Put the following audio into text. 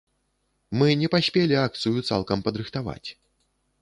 Мы не паспелі акцыю цалкам падрыхтаваць.